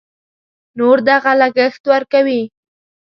نور دغه لګښت ورکوي.